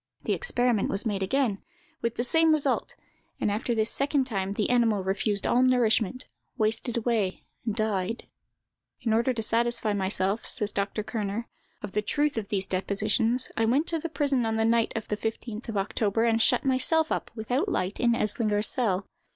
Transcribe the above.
The experiment was made again, with the same result; and after this second time the animal refused all nourishment, wasted away, and died. "In order to satisfy myself," says Dr. Kerner, "of the truth of these depositions, I went to the prison on the night of the 15th of October, and shut myself up without light in Eslinger's cell.